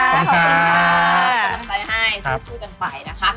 กำลังใจให้สู้กันไปนะครับ